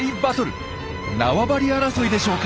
縄張り争いでしょうか？